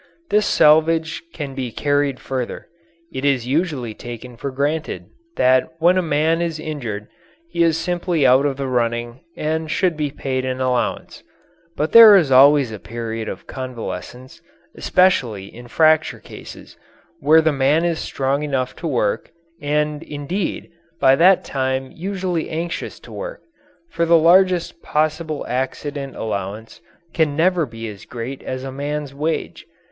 This salvage can be carried further. It is usually taken for granted that when a man is injured he is simply out of the running and should be paid an allowance. But there is always a period of convalescence, especially in fracture cases, where the man is strong enough to work, and, indeed, by that time usually anxious to work, for the largest possible accident allowance can never be as great as a man's wage.